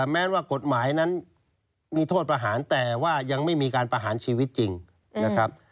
แม้ว่ากฎหมายนั้นมีโทษประหารแต่ว่ายังไม่มีการประหารชีวิตจริงนะครับ